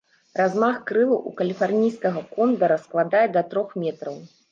Размах крылаў у каліфарнійскага кондара складае да трох метраў.